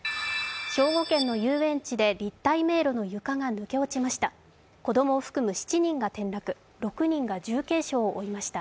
兵庫県の遊園地で立体迷路の床が抜け落ちました。